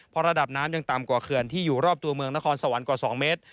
เพราะระดับน้ำยังต่ำกว่าเขื่อนที่อยู่รอบตัวเมืองนครสวรรค์กว่า๒เมตร